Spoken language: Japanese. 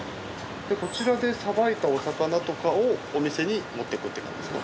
こちらでさばいたお魚とかをお店に持っていくっていう感じですか？